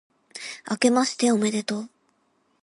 あけましておめでとう、